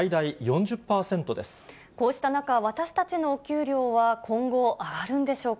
こうした中、私たちのお給料は今後、上がるんでしょうか。